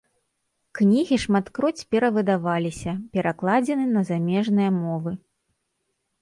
Кнігі шматкроць перавыдаваліся, перакладзены на замежныя мовы.